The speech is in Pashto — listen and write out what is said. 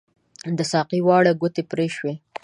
د ساقۍ واړه ګوتې پري شوي